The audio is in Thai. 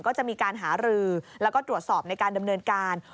ก็จะมีการหารือแล้วก็ตรวจสอบในการดำเนินการ